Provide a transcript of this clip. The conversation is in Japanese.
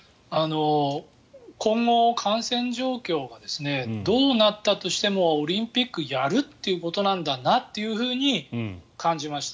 今後、感染状況がどうなったとしてもオリンピックやるっていうことなんだなっていうふうに感じました。